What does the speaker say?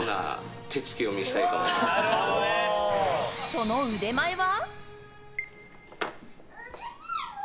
その腕前は？